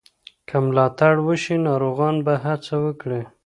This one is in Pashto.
که ملاتړ وشي، ناروغان به هڅه وکړي.